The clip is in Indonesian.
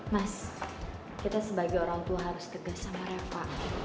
mas kita sebagai orang tua harus gegas sama reva